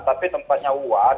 tapi tempatnya wadah